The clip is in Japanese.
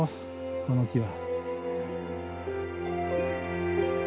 この木は。